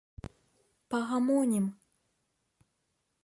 Пагамонім.